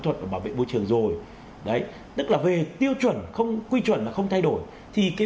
chuẩn bảo vệ môi trường rồi đấy tức là về tiêu chuẩn không quy chuẩn mà không thay đổi thì cái